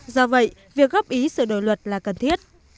do vậy việc góp ý sửa đổi luật là cần thiết